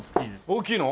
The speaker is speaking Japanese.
大きいの？